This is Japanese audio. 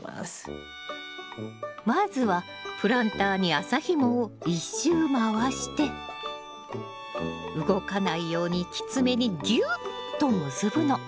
まずはプランターに麻ひもを１周回して動かないようにきつめにギュッと結ぶの。